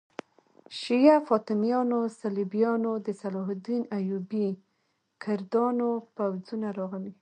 شیعه فاطمیانو، صلیبیانو، د صلاح الدین ایوبي کردانو پوځونه راغلي.